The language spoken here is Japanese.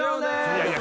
いやいや